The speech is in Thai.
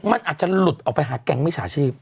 มันอาจจะหลุดออกไปหาแก๊งมิจฉาชีพ